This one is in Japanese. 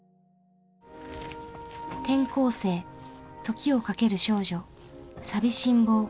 「転校生」「時をかける少女」「さびしんぼう」の「尾道三部作」。